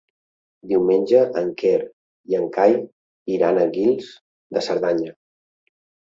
Diumenge en Quer i en Cai iran a Guils de Cerdanya.